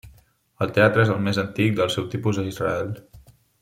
El teatre és el més antic del seu tipus a Israel.